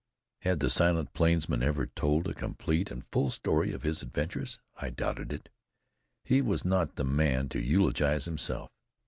Had the silent plainsman ever told a complete and full story of his adventures? I doubted it. He was not the man to eulogize himself.